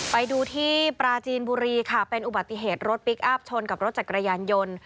ไปดูที่ปราจีนบุรีค่ะเป็นอุบัติเหตุรถพลิกอัพชนกับรถจักรยานยนต์